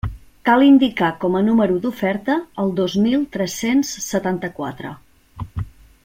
Cal indicar com a número d'oferta el dos mil tres-cents setanta-quatre.